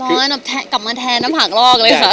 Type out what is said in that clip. ร้อนแค่กลับมาแท้นน้ำผักรอกเลยค่ะ